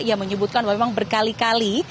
ia menyebutkan memang berkali kali